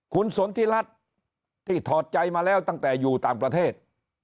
คุณสนทิรัฐที่ถอดใจมาแล้วตั้งแต่อยู่ต่างประเทศ